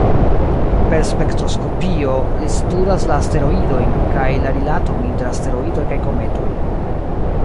Per spektroskopio, li studas la asteroidojn, kaj la rilaton inter asteroidoj kaj kometoj.